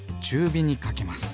火にかけます。